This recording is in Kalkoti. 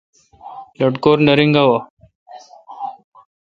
لٹکور نہ رینگاوں۔